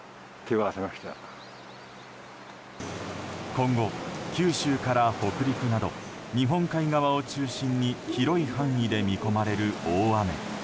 今後、九州から北陸など日本海側を中心に広い範囲で見込まれる雨。